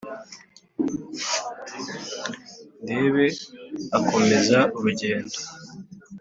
ndebe akomeza urugendo